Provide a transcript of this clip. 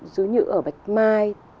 giống như ở bạch mai